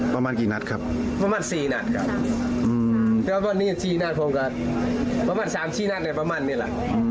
ประมาณ๔นัทครับประมาณ๓นัทประมาณนี้แหละ